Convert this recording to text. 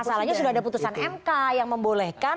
masalahnya sudah ada putusan mk yang membolehkan